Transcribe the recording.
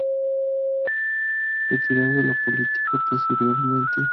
Retirado de la política, posteriormente trabajaría para el Banco de San Sebastián.